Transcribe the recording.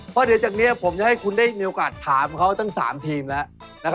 พอทีนี้ผมจะให้คุณได้มีโอกาสถามเขาตั้ง๓ทีมแล้ว